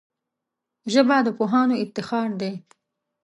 ژبه د پوهانو افتخار دی